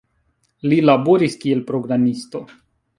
Li laboris kiel programisto.